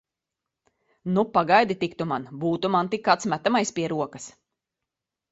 Nu, pagaidi tik tu man! Būtu man tik kāds metamais pie rokas!